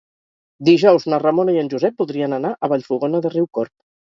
Dijous na Ramona i en Josep voldrien anar a Vallfogona de Riucorb.